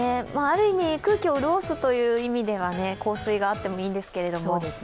ある意味、空気を潤すという意味では降水があってもいいんですが。